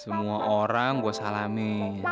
semua orang gua salami